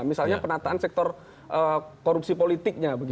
misalnya penataan sektor korupsi politiknya